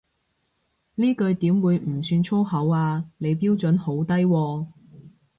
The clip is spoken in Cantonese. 呢句點會唔算粗口啊，你標準好低喎